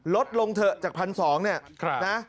ลดลงเถอะจากพันสองนี่นะ